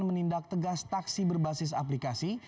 menindak tegas taksi berbasis aplikasi